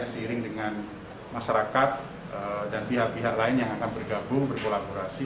seiring dengan masyarakat dan pihak pihak lain yang akan bergabung berkolaborasi